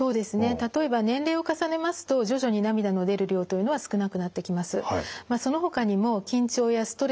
例えば年齢を重ねますと徐々に涙の出る量というのは少なくなってきます。